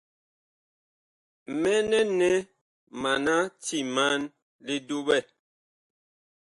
Mɛnɛ nɛ mana timan li duɓɛ.